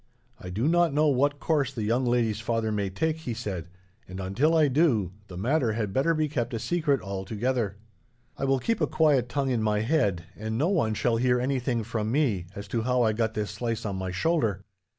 "I do not know what course the young lady's father may take," he said, "and until I do, the matter had better be kept a secret, altogether." "I will keep a quiet tongue in my head, and no one shall hear anything, from me, as to how I got this slice on my shoulder.